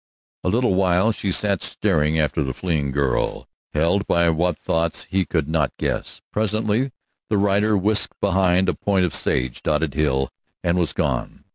A little while she sat staring after the fleeing girl, held by what thoughts he could not guess. Presently the rider whisked behind a point of sage dotted hill and was gone.